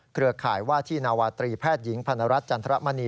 เครือข่ายว่าที่นาวาตรีแพทย์หญิงพันรัฐจันทรมณี